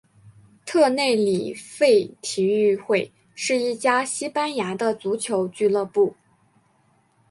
特内里费体育会是一家西班牙的足球俱乐部。